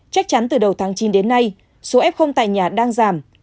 chắc chắn từ đầu tháng chín đến nay số f tại nhà đang giảm